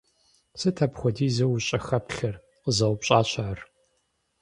Сыт апхуэдизу ущӀыхэплъэр? – къызэупщӀащ ар.